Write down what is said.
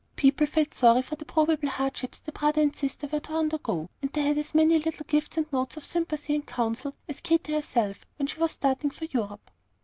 People felt sorry for the probable hardships the brother and sister were to undergo; and they had as many little gifts and notes of sympathy and counsel as Katy herself when she was starting for Europe.